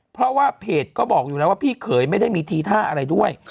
เพราะว่าเพจก็บอกอยู่แล้วว่าพี่เขยไม่ได้มีทีท่าอะไรด้วย